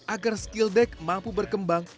agar skilledat mampu berkembang